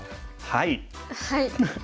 はい。